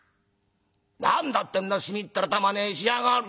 何だってんなしみったれたまねしやがる！」。